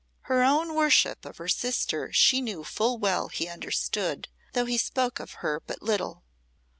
Her own worship of her sister she knew full well he understood, though he spoke of her but little.